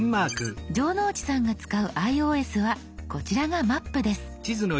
城之内さんが使うｉＯＳはこちらが「マップ」です。